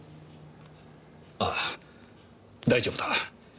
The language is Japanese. ああ大丈夫だ。